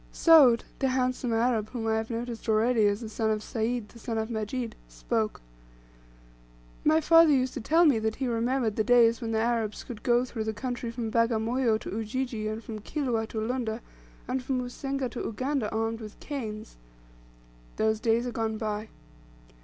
Soud, the handsome Arab whom I have noticed already as the son of Sayd the son of Majid, spoke: "My father used to tell me that he remembered the days when the Arabs could go through the country from Bagamoyo to Ujiji, and from Kilwa to Lunda, and from Usenga to Uganda armed with canes. Those days are gone by.